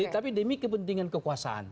tapi demi kepentingan kekuasaan